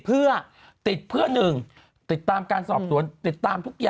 พูดเท้าเบิกบ่อย